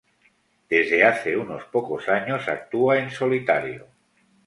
Desde hace unos pocos años, actúa en solitario.